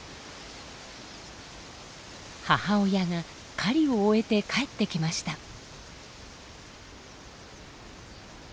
母親が狩りを終えて帰ってきました。